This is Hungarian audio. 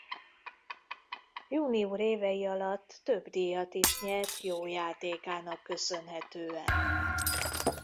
Junior évei alatt több díjat is nyert jó játékának köszönhetően.